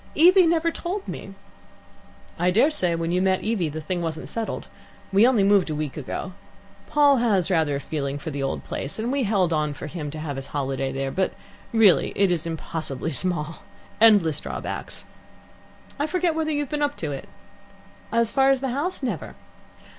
Evie never told me." "I dare say when you met Evie the thing wasn't settled. We only moved a week ago. Paul has rather a feeling for the old place, and we held on for him to have his holiday there; but, really, it is impossibly small. Endless drawbacks. I forget whether you've been up to it?" "As far as the house, never."